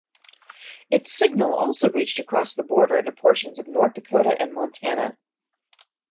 Its signal also reached across the border into portions of North Dakota and Montana.